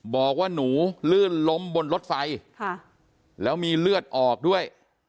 บอกว่าหนูลื่นล้มบนรถไฟแล้วมีเลือดออกด้วย